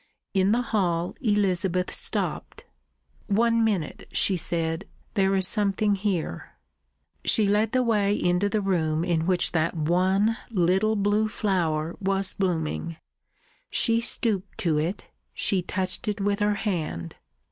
In the hall Elizabeth stopped. "One minute," she said. "There is something here." She led the way into the room in which that one little blue flower was blooming. She stooped to it, she touched it with her hand.